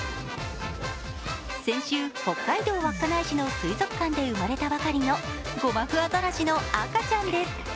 先週、北海道稚内市の水族館で生まれたばかりのゴマフアザラシの赤ちゃんです。